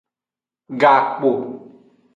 Gakpo.